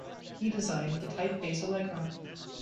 He designed the typeface Allegra.